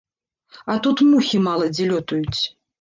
А тут мухі мала дзе лётаюць.